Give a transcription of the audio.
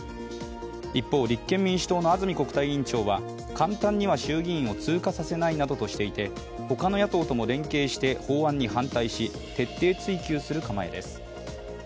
一方、立憲民主党の安住国対委員長は簡単には衆議院を通過させないつもりなどとしていて他の野党とも連携して法案に反対し、徹底追及する構えです。